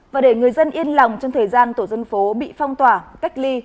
và để người dân yên lòng trong thời gian tổ dân phố bị phong tỏa cách ly